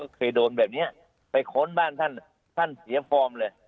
เคยโดนแบบนี้ไปค้นบ้านท่านท่านเสียฟอร์มเลย